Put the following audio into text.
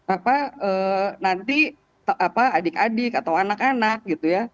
apa nanti adik adik atau anak anak gitu ya